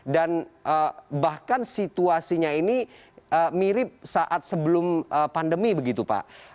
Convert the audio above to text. dan bahkan situasinya ini mirip saat sebelum pandemi begitu pak